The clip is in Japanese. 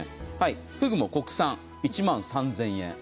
ふぐも国産、１万３０００円。